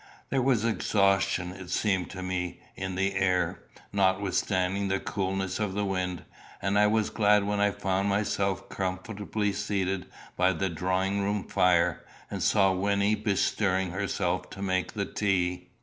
There was exhaustion, it seemed to me, in the air, notwithstanding the coolness of the wind, and I was glad when I found myself comfortably seated by the drawing room fire, and saw Wynnie bestirring herself to make the tea.